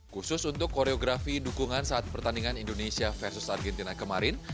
khusus untuk koreografi dukungan saat pertandingan indonesia versus argentina kemarin